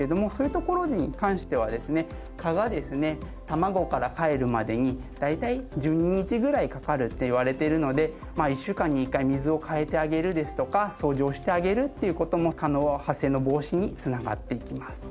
卵からかえるまでに大体１２日ぐらいかかるっていわれているので１週間に１回水を替えてあげるですとか掃除をしてあげるっていう事も蚊の発生の防止に繋がっていきます。